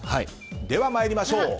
では、参りましょう。